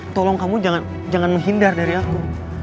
tolong kamu jangan menghindar dari aku